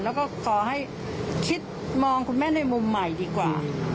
แล้วก็ขอให้คิดมองคุณแม่ในมุมใหม่ดีกว่า